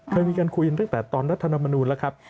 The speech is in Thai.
เคยมีการคุยกันตั้งแต่ตอนรัฐธรรมนูลแล้วครับ